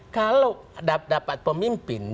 kalau dapat pemimpin